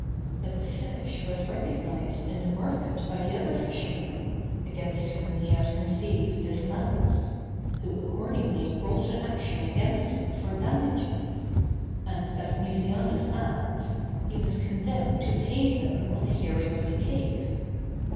But the fish was recognized in the market by the other fisherman, against whom he had conceived this malice; who accordingly brought an action against him for damages; and, as Mucianus adds, he was condemned to pay them on the hearing of the case.